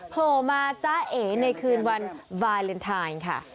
โผล่มาจ้าเอ๋ในคืนวันวาเลนไทยค่ะ